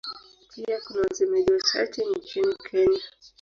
Pia kuna wasemaji wachache nchini Kenya.